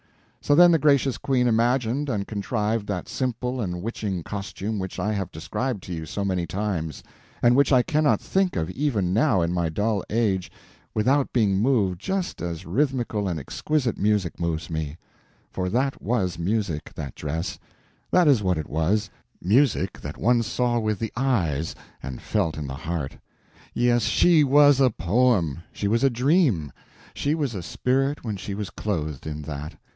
So then the gracious Queen imagined and contrived that simple and witching costume which I have described to you so many times, and which I cannot think of even now in my dull age without being moved just as rhythmical and exquisite music moves one; for that was music, that dress—that is what it was—music that one saw with the eyes and felt in the heart. Yes, she was a poem, she was a dream, she was a spirit when she was clothed in that.